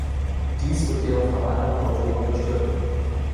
Dies wird jedoch von anderen Autoren bestritten.